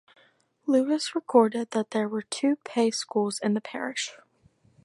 Lewis recorded that there were two pay schools in the parish.